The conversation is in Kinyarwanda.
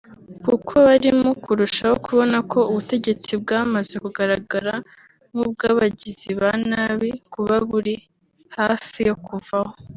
kuko barimo kurushaho kubona ko ubutegetsi bwamaze kugaragara nk’ubw’abagizi ba nabi buba buri hafi yo kuvaho